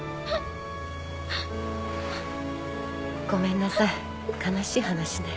ごめんなさい悲しい話ね。